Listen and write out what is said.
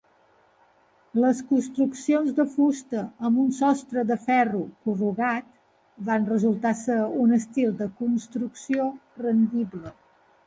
Les construccions de fusta amb un sostre de ferro corrugat van resultar ser un estil de construcció rendible.